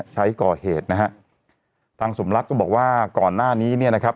มันใช้ก่อเหตุนะฮะทางสมรักษณ์บอกว่าก่อนน่านี้นะครับ